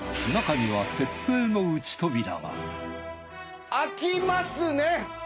中には鉄製の内扉が開きますね！